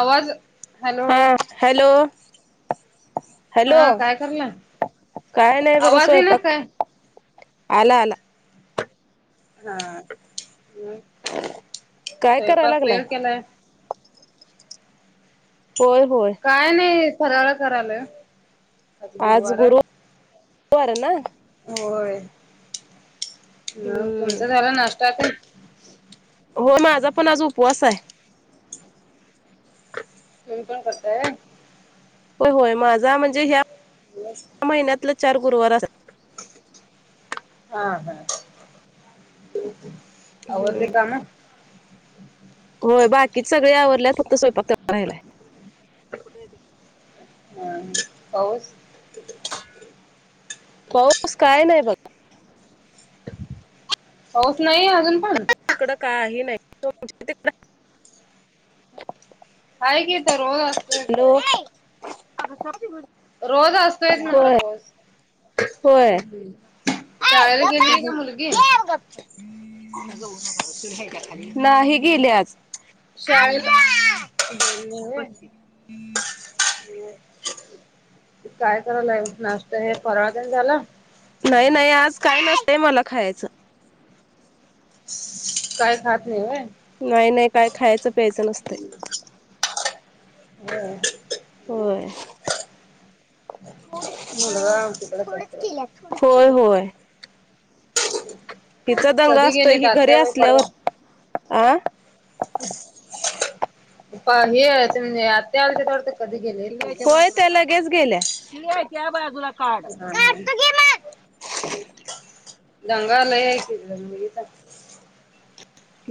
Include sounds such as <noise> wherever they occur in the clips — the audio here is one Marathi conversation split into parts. आवाज हॅलो! हा हॅलो! हॅलो हा काय करलाय काय नाही बघा आवाज येईना स्वयंपाक, काय आला आला! हा काय कराय स्वयंपाक लागलाय वेळ केलाय. होय होय! काय नाही फराळ करायलोय. आज गुरूवार आहे ना होय! मग हम्म तुमचा झाला नास्टा तेन. हो माझा पण आज उपवास आहे. तुम्ही पण करताय व्हय? होय. होय. माझा म्हणजे ह्या - <unintelligible> महिन्यातलं चार गुरुवार अस- हां. हां. हम्म आवरली काम? होय. बाकीच सगळे आवरडल्यात. फक्त स्वयंपाक तेवढा राहिलाय. <unintelligible> हं. पाऊस? पाऊस काय नाही बघ. पाऊस नाही अजून पण? इकडं काही नाही. <unintelligible> हाये की इथं रोज असतोया हॅलो पाऊस. <unintelligible> रोज असतोयच म्हणल होय पाऊस. हं. हं. ए गप बस. <unintelligible> नाही गेले आज. शाळेला <unintelligible> काय करायलाएस? नाश्ता हे फराळ तेन झाला? नाही नाही. आज काही नसतेय मला खायाचं. काय खात नाहीय व्हय? नाही नाही. काय खायचं प्यायचं नसतय. व्हय. होय <unintelligible> मुलगा म तिकडेच <unintelligible> होय. होय. <unintelligible> तिचा दंगा कधी असतोय गेलेत कि घरी आत्या व्हय असल्यावर. आं? पा हे आहे ते म्हणजे, आत्या आले होते <unintelligible> कधी गेले? होय त्या लगेच गेल्या. हा हा. <unintelligible>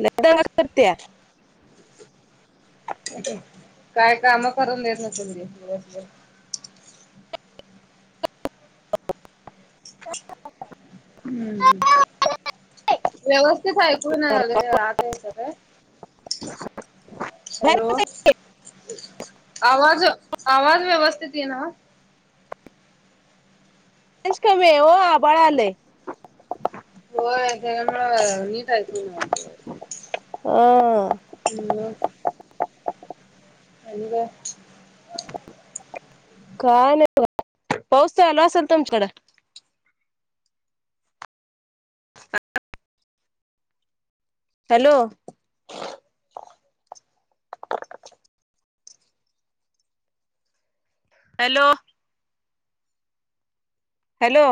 लई दंगा करतिया. काय काम करून देत नसेल ती दिवसभर. हम्म. व्यवस्थित आहे. इकडून वगैरे <unintelligible> सगळं. हॅलो. बाहेर आवाज. आवाज व्यवस्थित येईना. कमी आहे हो. आभाळ आलय. व्हय. त्याच्यामुळ <unintelligible> अं. हं. म? आणि काय? काय नाही <unintelligible> पाउस चालू असलं तुमच्याकडं? <unintelligible> हॅलो. हॅलो. हॅलो.